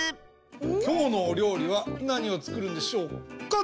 きょうのおりょうりはなにをつくるんでしょうか？